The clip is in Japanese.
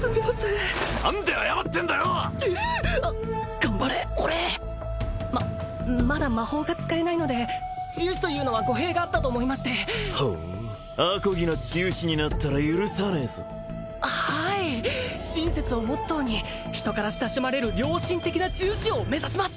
頑張れ俺ままだ魔法が使えないので治癒士というのは語弊があったと思いましてほうあこぎな治癒士になったら許さねえぞはい親切をモットーに人から親しまれる良心的な治癒士を目指します